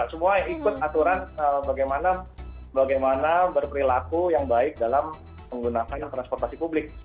semua ikut aturan bagaimana berperilaku yang baik dalam menggunakan transportasi publik